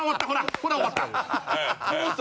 ほら終わった！」。